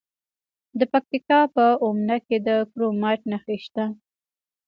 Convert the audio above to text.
د پکتیکا په اومنه کې د کرومایټ نښې شته.